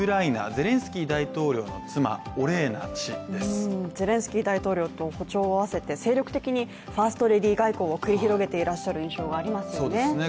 ゼレンスキー大統領と歩調を合わせて精力的にファーストレディー外交を繰り広げていらっしゃる印象がありますよね。